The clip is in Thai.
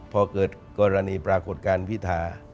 พอเกิดกรณีปรากฏการณ์พิธา